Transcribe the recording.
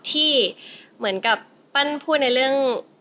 นี่คือ